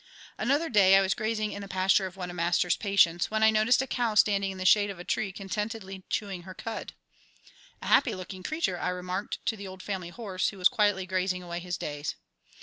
Another day I was grazing in the pasture of one of Master's patients, when I noticed a cow standing in the shade of a tree contentedly chewing her cud. "A happy looking creature," I remarked to the old family horse, who was quietly grazing away his days.